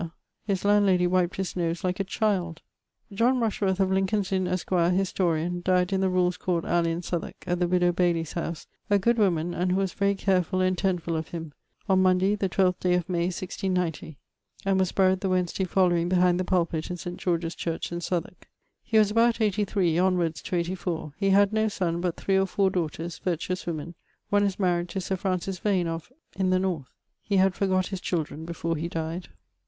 His landlady wiped his nose like a child. John Rushworth, of Lincoln's Inne, esq., historian, died in the Rules Court Alley in Southwarke, at the widow Bayley's house, a good woman and who was very carefull and tendfull of him, on Monday the twelfth day of May 1690; and was buried the Wednesday following behind the pulpit in St. George's church in Southwarke. He was about 83, onwards to 84. He had no son, but 3 or 4 daughters, virtuous woemen: one is maried to Sir Francis Vane of ... in the north. He had forgot his children before he died.